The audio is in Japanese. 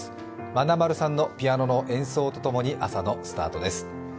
まなまるさんのピアノの演奏と共に朝のスタートです。